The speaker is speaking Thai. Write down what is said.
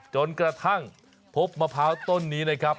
จนกระทั่งพบมะพร้าวต้นนี้นะครับ